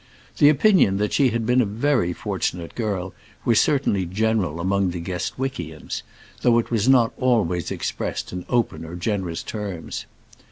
The opinion that she had been a very fortunate girl was certainly general among the Guestwickians, though it was not always expressed in open or generous terms.